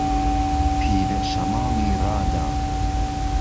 پیره شەماڵی ڕادا